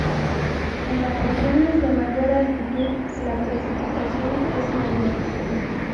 En las regiones de mayor altitud, la precipitación es mayor.